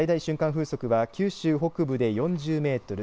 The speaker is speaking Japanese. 風速は九州北部で４０メートル